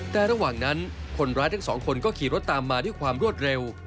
แต่ระหว่างนั้นคนร้ายทั้งสองคนก็ขี่รถตามมาด้วยความรวดเร็ว